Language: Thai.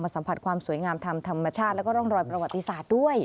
สัมผัสความสวยงามทางธรรมชาติแล้วก็ร่องรอยประวัติศาสตร์ด้วย